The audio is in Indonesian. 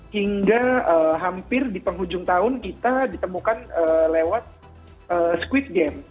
hingga hampir di penghujung tahun kita ditemukan lewat squid game